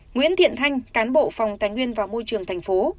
nguyễn thiện thanh cán bộ phòng tài nguyên và môi trường tp